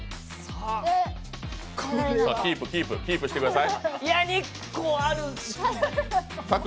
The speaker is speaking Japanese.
キープ、キープしてください。